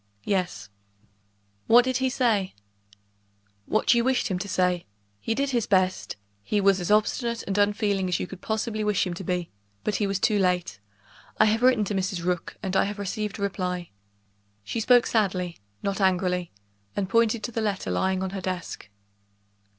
"Yes." "What did he say?" "What you wished him to say. He did his best; he was as obstinate and unfeeling as you could possibly wish him to be; but he was too late. I have written to Mrs. Rook, and I have received a reply." She spoke sadly, not angrily and pointed to the letter lying on her desk.